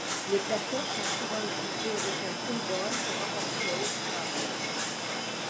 Les plaquettes sont souvent utilisées avec un pull-buoy pour renforcer le haut du corps.